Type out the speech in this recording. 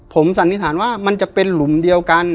ผมสันนิษฐานว่ามันจะเป็นหลุมเดียวกัน